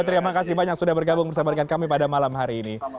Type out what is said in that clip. terima kasih banyak sudah bergabung bersama dengan kami pada malam hari ini